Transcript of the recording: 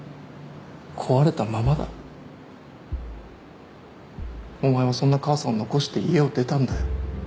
壊れたままだお前はそんな母さんを残して家を出たんだよ